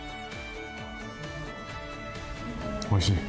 おいしい？